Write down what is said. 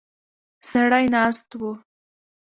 سړی ناست و.